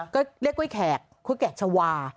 ก็เรียกกล้วยแขกกล้วยแขกชาวา